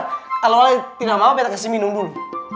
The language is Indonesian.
kalau lain tindak mau apa bete kasih minum dulu